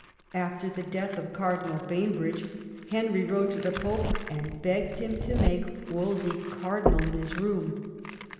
After the death of Car dinal Bainbridge Henry wrote to the Pope and begged him to make Wolsey cardinal in his room.